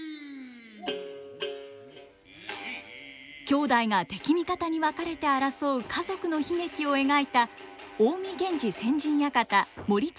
兄弟が敵味方に分かれて争う家族の悲劇を描いた「近江源氏先陣館盛綱陣屋」。